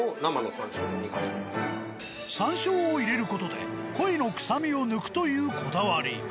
山椒を入れる事で鯉の臭みを抜くというこだわり。